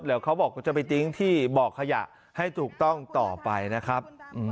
แล้วเขาบอกจะไปทิ้งที่บ่อขยะให้ถูกต้องต่อไปนะครับ